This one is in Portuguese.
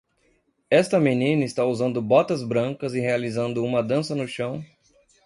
Esta menina está usando botas brancas e realizando uma dança no chão